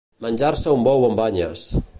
Menjar-se un bou amb banyes.